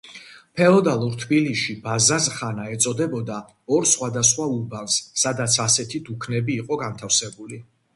ფეოდალურ თბილისში ბაზაზხანა ეწოდებოდა ორ სხვადასხვა უბანს, სადაც ასეთი დუქნები იყო განთავსებული.